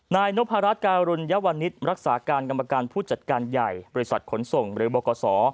นายนพรัชการุญยวนิษฐ์รักษาการกรรมการผู้จัดการใหญ่บริษัทขนส่งหรือบกษ